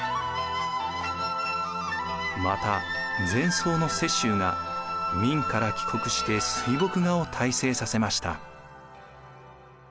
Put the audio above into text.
また禅僧の雪舟が明から帰国して水墨画を大成させました。